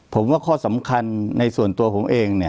ผมว่าข้อสำคัญในส่วนตัวผมเอง